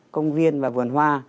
công viên và vườn hoa